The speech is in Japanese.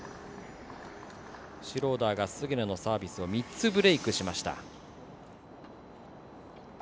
シュローダーが菅野のサービスを３つブレークしました。